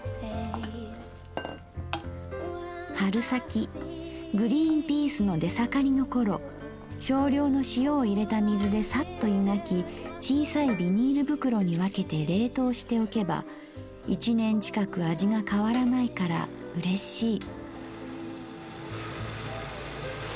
「春先グリーンピースの出盛りの頃少量の塩を入れた水でさっとゆがき小さいビニール袋にわけて冷凍しておけば一年近く味が変わらないから嬉しい」。